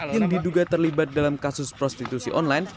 yang diduga terlibat dalam kasus prostitusi online